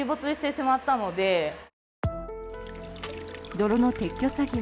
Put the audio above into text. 泥の撤去作業